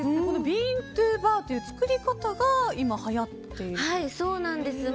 ビーントゥーバーという作り方が今、はやっているんですか。